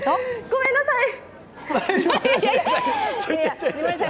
ごめんなさい！